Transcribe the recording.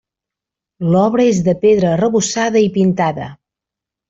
L'obra és de pedra arrebossada i pintada.